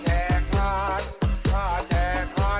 สลบน้ำมันออกมา